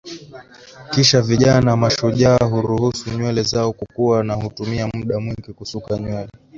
Kisha vijana mashujaa huruhusu nywele zao kukua na hutumia muda mwingi kusuka nywele